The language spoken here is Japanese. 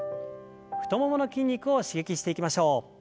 太ももの筋肉を刺激していきましょう。